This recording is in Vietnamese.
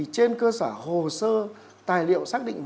trên cơ sở hồ sơ tài liệu xác định